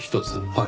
はい。